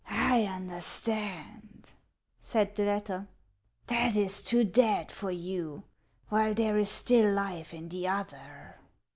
" I understand," said the latter ;" that is too dead for you, while there is still life in the other.